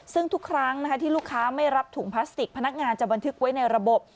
ซึ่งทุกครั้งที่ลูกค้าไม่รับถุงพลาสติกพนักงานจะบันทึกไว้ในระบบ